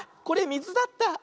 これみずだった。